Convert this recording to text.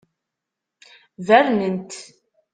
Bernen-t.